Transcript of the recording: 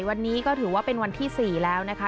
วันนี้ก็ถือว่าเป็นวันที่๔แล้วนะคะ